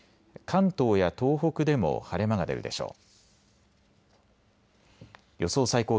関東や東北でも晴れ間が出るでしょう。